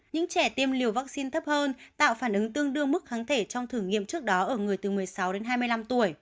những trẻ tiêm liều vaccine thấp hơn tạo phản ứng tương đương mức kháng thể trong thử nghiệm trước đó ở người từ một mươi sáu đến hai mươi năm tuổi